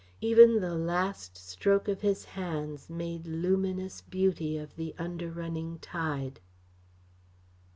Even the last stroke of his hands made luminous beauty of the under running tide.